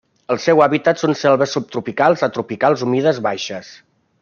El seu hàbitat són selves subtropicals a tropicals humides baixes.